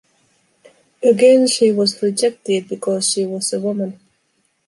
Again she was rejected because she was a woman.